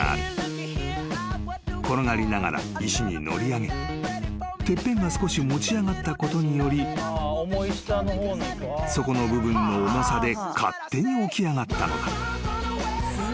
［転がりながら石に乗り上げてっぺんが少し持ち上がったことにより底の部分の重さで勝手に起き上がったのだ］